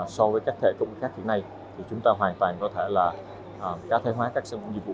so với các thể công ty khác như thế này chúng ta hoàn toàn có thể cá thể hóa các sản phẩm dịch vụ